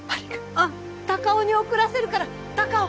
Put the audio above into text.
あっ孝夫に送らせるから孝夫！